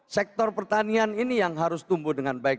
sektor pertanian ini yang harus tumbuh dengan baik